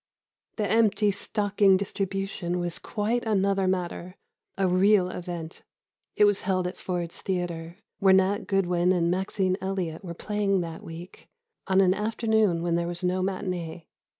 The Empty Stocking distribution was quite another matter—a real event. It was held at Ford's Theatre, where Nat Goodwin and Maxine Elliot were playing that week, on an afternoon when there was no matinée.